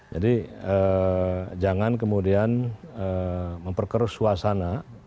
jadi jangan kemudian memperkerus suasana